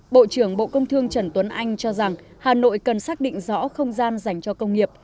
bộ trưởng bộ công thương trần tuấn anh cho rằng hà nội cần xác định rõ không gian dành cho công nghiệp